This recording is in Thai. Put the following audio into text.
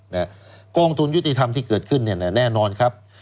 กองทุนยุติธรรมที่เกิดขึ้นเนี่ยนะแน่นอนครับ